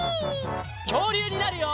きょうりゅうになるよ！